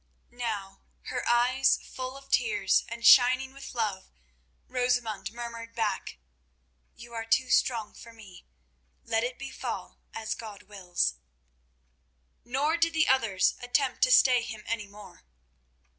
Now, her eyes full of tears and shining with love, Rosamund murmured back: "You are too strong for me. Let it befall as God wills." Nor did the others attempt to stay him any more.